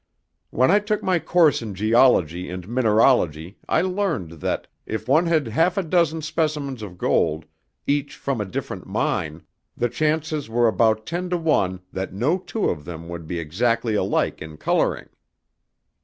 "When I took my course in geology and mineralogy I learned that, if one had half a dozen specimens of gold, each from a different mine, the chances were about ten to one that no two of them would be exactly alike in coloring.